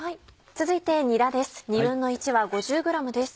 続いてにらです。